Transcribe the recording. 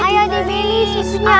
ayo dibeli susunya